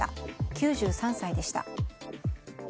９３歳でした。